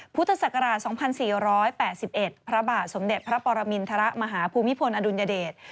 พุทธศักราช๒๔๘๑พระบาทสมเด็จพระปรมินทรมาฮภูมิพลอดุลยเดช